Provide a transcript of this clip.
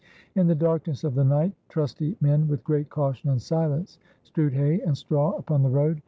In the darkness of the night, trusty men, with great caution and silence, strewed hay and straw upon the road.